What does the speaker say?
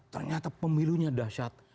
ternyata pemilunya dahsyat